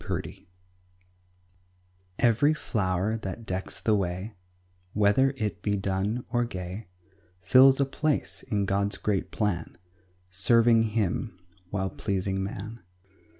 GOD'S ORDER Every flower that decks the way, Whether it be dun or gay, Fills a place in God's great plan, Serving Him, while pleasing man.